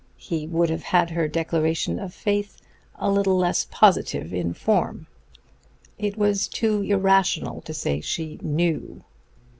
He would have had her declaration of faith a little less positive in form. It was too irrational to say she "knew."